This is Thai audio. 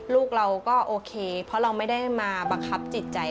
ลูกเราก็โอเคเพราะเราไม่ได้มาบังคับจิตใจ